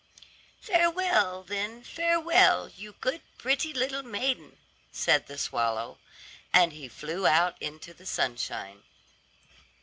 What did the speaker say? "Farewell, then, farewell, you good, pretty little maiden," said the swallow; and he flew out into the sunshine.